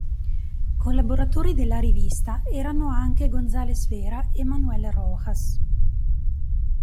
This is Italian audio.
Collaboratori della rivista erano anche Gonzalez Vera e Manuel Rojas.